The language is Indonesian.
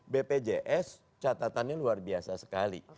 bpjs catatannya luar biasa sekali